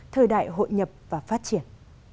thời đại hội nhập và phát triển